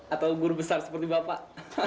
atau guru besar seperti bapak